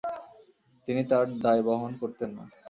তিনি তার দায় বহন করতেন না।